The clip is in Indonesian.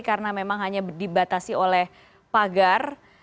karena memang hanya dibatasi oleh pagar